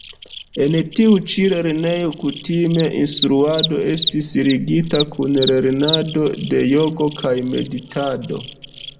En tiu ĉi lernejo kutima instruado estis ligita kun lernado de jogo kaj meditado.